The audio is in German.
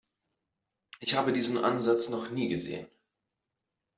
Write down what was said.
Ich habe diesen Ansatz noch nie gesehen.